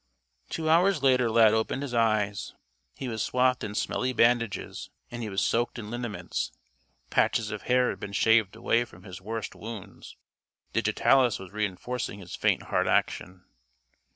Two hours later Lad opened his eyes. He was swathed in smelly bandages and he was soaked in liniments. Patches of hair had been shaved away from his worst wounds. Digitalis was reinforcing his faint heart action.